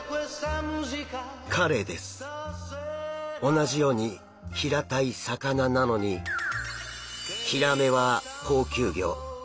同じように平たい魚なのにヒラメは高級魚。